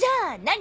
何？